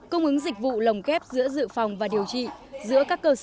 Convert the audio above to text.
cung ứng dịch vụ lồng ghép giữa dự phòng và điều trị